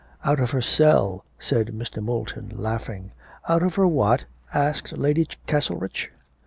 'Out of cell,' said Mr. Moulton, laughing. 'Out of her what?' asked Lady Castlerich.